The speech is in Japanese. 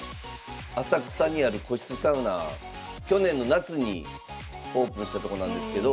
浅草にある個室サウナ去年の夏にオープンしたとこなんですけど。